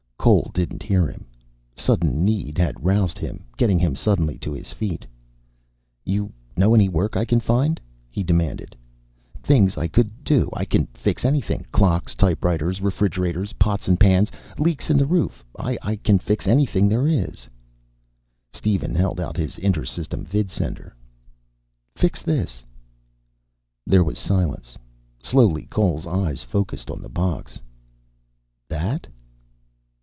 Cole didn't hear him. Sudden need had roused him, getting him suddenly to his feet. "You know any work I can find?" he demanded. "Things I could do? I can fix anything. Clocks, type writers, refrigerators, pots and pans. Leaks in the roof. I can fix anything there is." Steven held out his inter system vidsender. "Fix this." There was silence. Slowly, Cole's eyes focussed on the box. "That?"